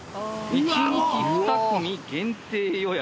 「１日２組限定予約」。